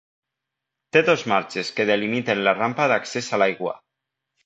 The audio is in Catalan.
Té dos marges que delimiten la rampa d'accés a l'aigua.